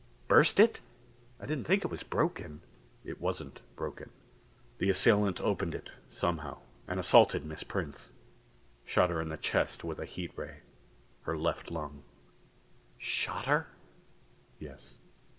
"Burst it? I didn't think it was broken." "It wasn't broken. The assailant opened it somehow, and assaulted Miss Prince shot her in the chest with a heat ray. Her left lung." "Shot her?" "Yes.